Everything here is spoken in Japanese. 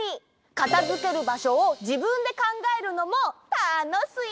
かたづけるばしょをじぶんでかんがえるのもたのしい！